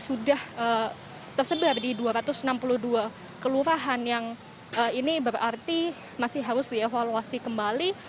sudah tersebar di dua ratus enam puluh dua kelurahan yang ini berarti masih harus dievaluasi kembali